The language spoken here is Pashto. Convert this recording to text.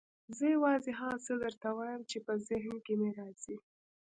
زه یوازې هغه څه درته وایم چې په ذهن کې مې راځي.